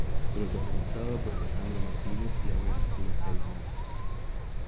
Protagonizada por Alejandro Martínez y Aura Cristina Geithner.